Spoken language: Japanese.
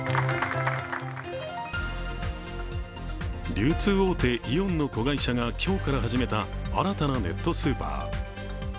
流通大手イオンの子会社が今日から始めた新たなネットスーパー。